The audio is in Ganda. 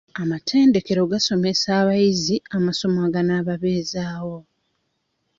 Amatendekero gasomesa abayizi amasomo aganaababeezaawo.